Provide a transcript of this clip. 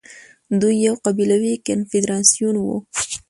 دوی يو قبيلوي کنفدراسيون وو